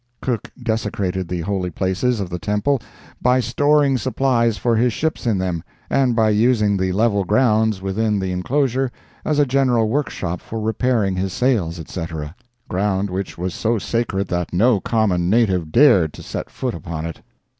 Cook desecrated the holy places of the temple by storing supplies for his ships in them, and by using the level grounds within the inclosure as a general workshop for repairing his sails, etc.—ground which was so sacred that no common native dared to set foot upon it.